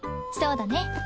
そうだね。